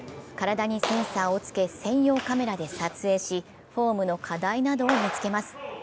体にセンサーをつけ専用カメラで撮影しフォームの課題などを見つけます。